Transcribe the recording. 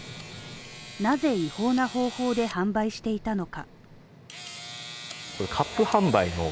なぜ違法な方法で販売していたのか。